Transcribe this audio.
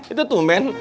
eh itu tuh ben